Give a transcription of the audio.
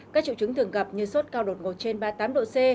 các triệu chứng thường gặp như sốt cao đột ngột trên ba mươi tám độ c